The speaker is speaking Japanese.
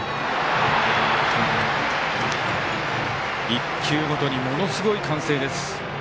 １球ごとにものすごい歓声です。